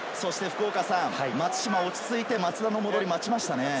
松島、落ち着いて、松田の戻りを待ちましたね。